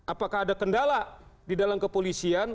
apakah ada kendala di dalam kepolisian